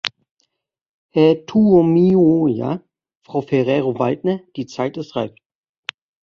Herr Tuomioja, Frau Ferrero-Waldner, die Zeit ist reif.